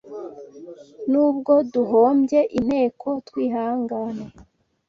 N’ubwo duhombye inteko twihangane